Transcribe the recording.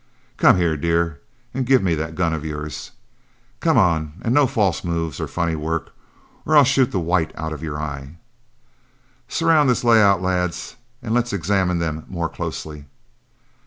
Come here, dear, and give me that gun of yours. Come on, and no false moves or funny work or I'll shoot the white out of your eye. Surround this layout, lads, and let's examine them more closely."